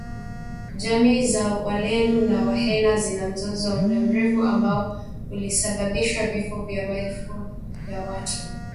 Jamii za walendu na wahema zina mzozo wa muda mrefu ambao ulisababishwa vifo vya maelfu ya watu